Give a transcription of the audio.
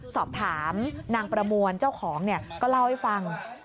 สอบถามนางประมวลเจ้าของก็เล่าให้ฟัง